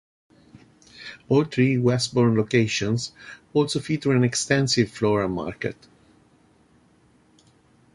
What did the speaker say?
All three Westborn locations also feature an extensive floral market.